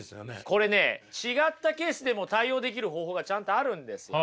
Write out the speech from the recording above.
これね違ったケースでも対応できる方法がちゃんとあるんですよ。